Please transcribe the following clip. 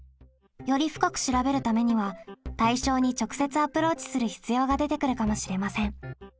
より深く調べるためには対象に直接アプローチする必要が出てくるかもしれません。